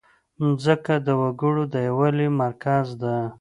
مځکه د وګړو د یووالي مرکز ده.